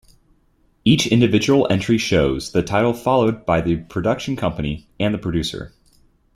Each individual entry shows the title followed by the production company, and the producer.